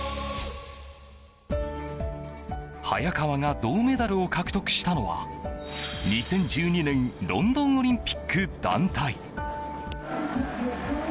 早川が銅メダルを獲得したのは２０１２年ロンドンオリンピック団体。